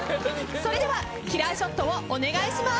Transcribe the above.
それではキラーショットをお願いします。